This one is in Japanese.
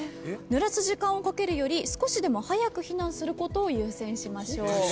ぬらす時間をかけるより少しでも早く避難することを優先しましょう。